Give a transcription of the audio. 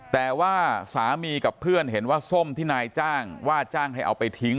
แต่ว่าสามีกับเพื่อนเห็นว่าส้มที่นายจ้างว่าจ้างให้เอาไปทิ้ง